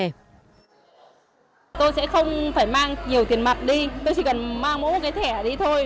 tôi sẽ không phải mang nhiều tiền mặt đi tôi chỉ cần mang một cái thẻ đi thôi